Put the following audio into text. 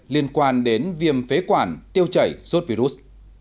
liên quan đến viêm phế quản tiêu chảy suốt virus